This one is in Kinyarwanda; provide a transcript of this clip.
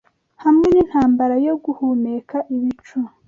hamwe n’intambara yo guhumeka ibicu